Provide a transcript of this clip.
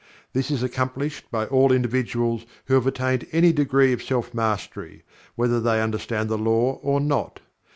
This is accomplished by all individuals who have attained any degree of self mastery, whether they understand the law or not.